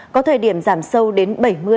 có thời điểm giảm sâu đến bảy mươi tám mươi